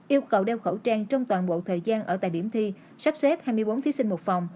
yêu cầu đeo khẩu trang trong toàn bộ thời gian ở tại điểm thi sắp xếp hai mươi bốn thí sinh một phòng